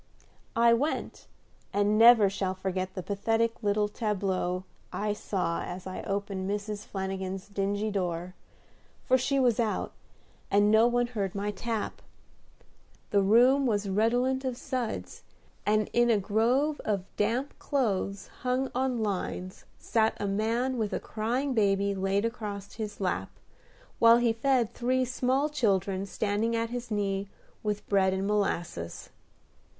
I went, and never shall forget the pathetic little tableau I saw as I opened Mrs. Flanagin's dingy door; for she was out, and no one heard my tap. The room was redolent of suds, and in a grove of damp clothes hung on lines sat a man with a crying baby laid across his lap, while he fed three small children standing at his knee with bread and molasses.